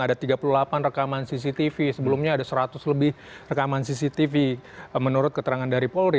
ada tiga puluh delapan rekaman cctv sebelumnya ada seratus lebih rekaman cctv menurut keterangan dari polri